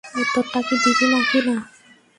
উত্তরটা কি দিবি নাকি না?